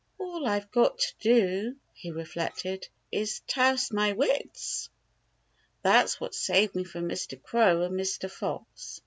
" All I've got to do," he reflected, " is to use my wits. That's what saved me from Mr, Crow and Mr. Fox."